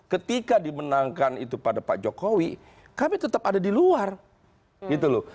ketika dimenangkan itu pada pak jokowi kami tetap ada di luar gitu loh